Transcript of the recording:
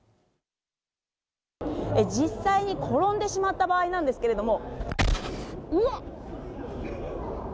実際に転んでしまった場合なんですけれども。